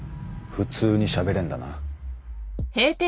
普通にしゃべれんだな。